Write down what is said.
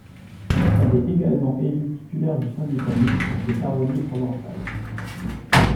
Elle est également élue titulaire du syndicat mixte des Baronnies provençales.